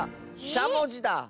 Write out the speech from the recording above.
しゃもじだ。